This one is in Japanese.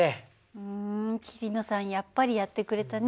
うん桐野さんやっぱりやってくれたね。